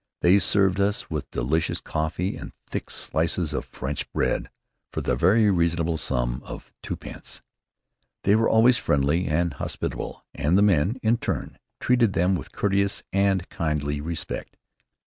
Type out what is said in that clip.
They served us with delicious coffee and thick slices of French bread, for the very reasonable sum of twopence. They were always friendly and hospitable, and the men, in turn, treated them with courteous and kindly respect.